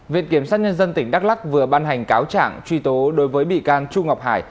viện kiểm sát nhân dân tỉnh đắk lắc vừa ban hành cáo trạng truy tố đối với bị can chu ngọc hải